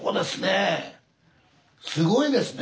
すごいですね！